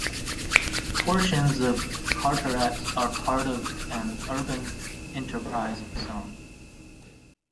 Portions of Carteret are part of an Urban Enterprise Zone.